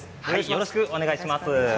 よろしくお願いします。